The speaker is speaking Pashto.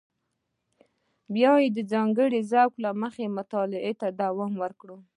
بیا یې د ځانګړي ذوق له مخې مطالعه ته دوام ورکړ.